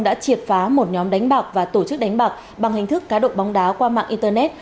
đã triệt phá một nhóm đánh bạc và tổ chức đánh bạc bằng hình thức cá độ bóng đá qua mạng internet